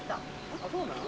あそうなん？